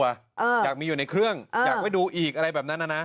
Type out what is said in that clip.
เออค่ะฮืมอยากมีอยู่ในเครื่องอยากไปดูอีกอะไรแบบนั้นนะ